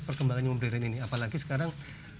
perkembangannya modern ini apalagi sekarang